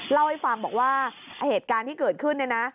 เล่าให้ฟังบอกว่าเหตุการณ์ที่เกิดขึ้นเนี่ยนะ